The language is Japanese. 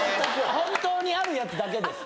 本当にあるやつだけです